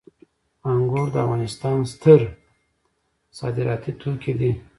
انګور د افغانستان ستر صادراتي توکي دي